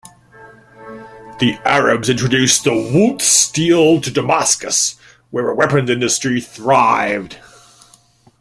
The Arabs introduced the wootz steel to Damascus, where a weapons industry thrived.